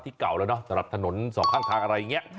เก่าแล้วเนอะสำหรับถนนสองข้างทางอะไรอย่างนี้